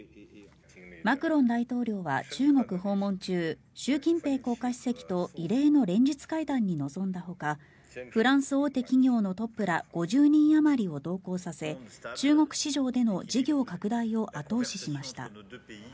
マクロン大統領は中国訪問中習近平国家主席と異例の連日会談に臨んだほかフランス大手企業のトップら５０人あまりを同行させ中国市場での事業拡大を後押ししました。